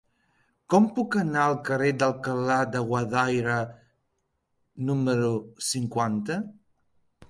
Com puc anar al carrer d'Alcalá de Guadaira número cinquanta?